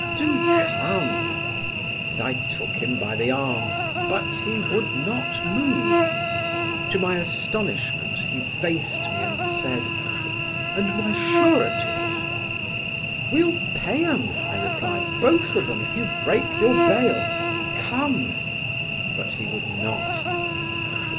Do come," and I took him by the arm; but he would not move. To my astonishment he faced me and said: "And my sureties?" "We'll pay 'em," I replied, "both of 'em, if you break your bail. Come," but he would not.